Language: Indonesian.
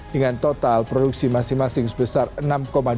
dengan total produksi masing masing sebesar enam dua